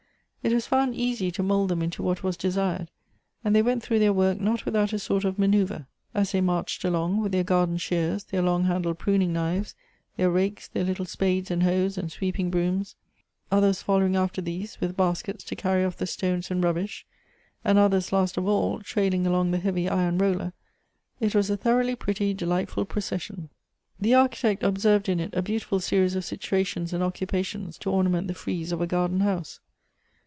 It was found easy to mould them into what was desired; and they went through their work not without a sort of mancBuvre. As they marched along, with their garden shears, their long handled pruning knives, their rakes, their little spades and hoes, and sweeping brooms : others following after these with baskets to carry off the stones and rubbish ; and others, last of all, trailing along the heavy iron roller — it was a thoroughly pretty, delightful procession. The Architect observed in it a beautiful se ries of situations and occupations to ornament the frieze of a garden house.